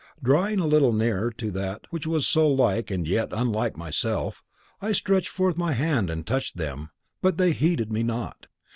Drawing a little nearer to that which was so like and yet unlike myself, I stretched forth my hand and touched them, but they heeded me not."